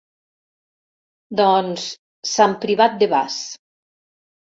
Doncs Sant Privat de Bas...